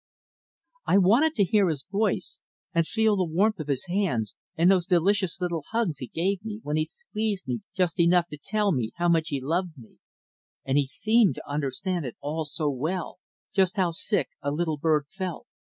I wanted to hear his voice and feel the warmth of his hands and those delicious little hugs he gave me when he squeezed me just enough to tell me how much he loved me. And he seemed to understand it all so well, just how sick a little bird felt.